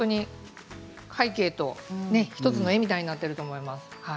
背景と１つの絵にみたいになっていると思います。